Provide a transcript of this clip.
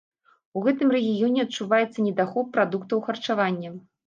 У гэтым рэгіёне адчуваецца недахоп прадуктаў харчавання.